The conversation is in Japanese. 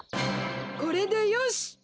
これでよし！